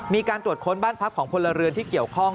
มีการตรวจค้นบ้านพักของพลเรือนที่เกี่ยวข้อง